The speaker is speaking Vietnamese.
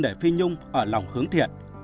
để phi nhung ở lòng hướng thiện